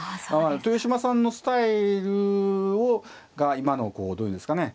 豊島さんのスタイルが今のこうどういうんですかね